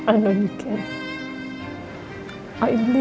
aku tahu kamu peduli